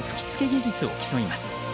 技術を競います。